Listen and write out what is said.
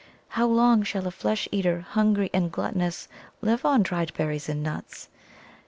How long shall a flesh eater, hungry and gluttonous, live on dried berries and nuts?